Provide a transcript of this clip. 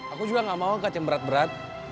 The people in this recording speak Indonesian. aku juga nggak mau angkat yang berat berat